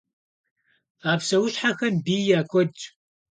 А псэущхьэхэм бий я куэдщ.